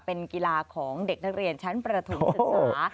เป็นกีฬาของเด็กนักเรียนชั้นประถมศึกษา